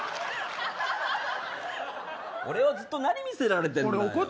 俺はずっと何見せられてんだ。